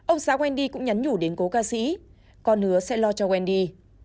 ông xá quen đi cũng nhắn nhủ đến cố ca sĩ con hứa sẽ lo cho quen đi